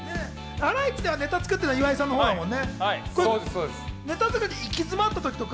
ハライチはネタ作っているのは岩井さんのほうだもんね？